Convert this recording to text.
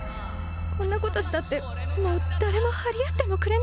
こんなことしたってもう誰も張り合ってもくれないのに。